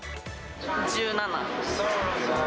１７。